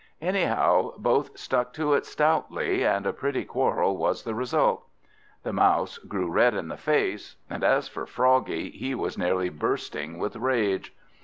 Anyhow, both stuck to it stoutly, and a pretty quarrel was the result. The Mouse grew red in the face; and as for Froggie, he was nearly bursting with rage.